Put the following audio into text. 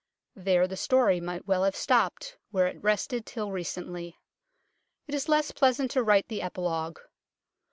There the story might well have stopped, where it rested till recently. It is less pleasant to write the epilogue.